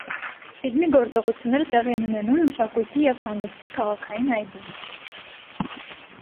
Ֆիլմի գործողությունները տեղի են ունենում մշակույթի և հանգստի քաղաքային այգում։